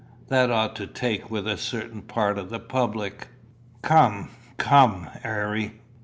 That ought to take with a certain part of the public." "Come, come, Harry.